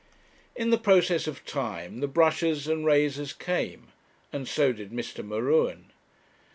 In the process of time the brushes and razors came, and so did Mr. M'Ruen.